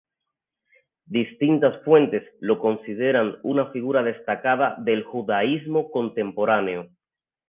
Distintas fuentes lo consideran una figura destacada del judaísmo contemporáneo.